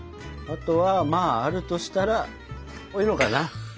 あとはあるとしたらこういうのかな。